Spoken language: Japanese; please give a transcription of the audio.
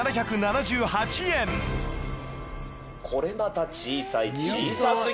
これまた小さい。